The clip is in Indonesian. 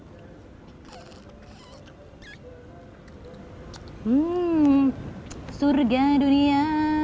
hmm surga dunia